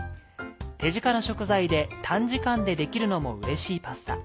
手近な食材で短時間でできるのもうれしいパスタ。